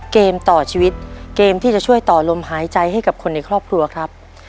เกมต่อชีวิตเกมที่จะช่วยต่อลมหายใจให้กับคนในครอบครัวครับ